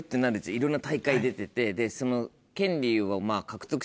いろんな大会出ててでその。